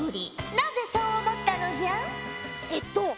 なぜそう思ったのじゃ？